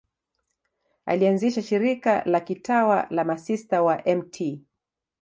Alianzisha shirika la kitawa la Masista wa Mt.